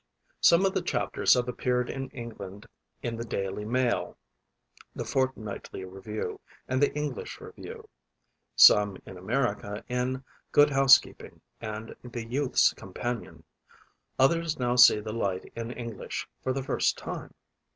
Some of the chapters have appeared in England in the "Daily Mail", the "Fortnightly Review" and the "English Review"; some in America in "Good Housekeeping" and the "Youth's Companion"; others now see the light in English for the first time.